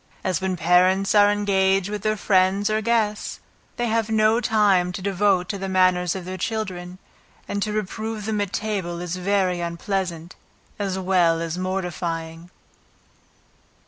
As when parents are engaged with their friends or guests, they have no time to devote to the manners of their children, and to reprove them at table is very unpleasant, as well as mortifying.